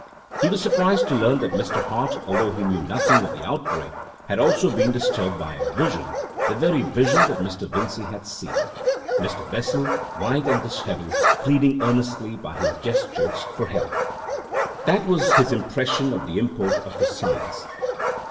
He was surprised to learn that Mr. Hart, although he knew nothing of the outbreak, had also been disturbed by a vision, the very vision that Mr. Vincey had seen—Mr. Bessel, white and dishevelled, pleading earnestly by his gestures for help. That was his impression of the import of his signs.